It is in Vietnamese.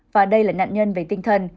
và đây là nạn nhân về tinh thần